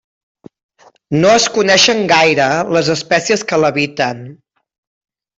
No es coneixen gaire les espècies que l'habiten.